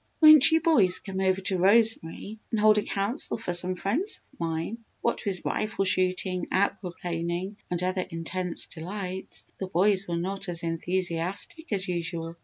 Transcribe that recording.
"Won't you boys come over to Rosemary and hold a Council for some friends of mine?" What with rifle shooting, aqua planing, and other intense delights, the boys were not as enthusiastic as usual.